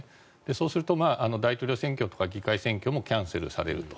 そうすると大統領選挙とか議会選挙もキャンセルされると。